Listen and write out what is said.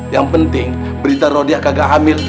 yang penting berita rodia kagak hamil